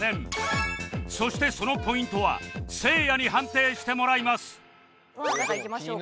そしてそのポイントはせいやに判定してもらいますなんかいきましょうか。